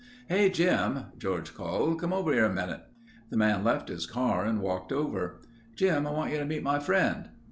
"Hey, Jim—" George called. "Come over here a minute...." The man left his car and walked over. "Jim, I want you to meet my friend...."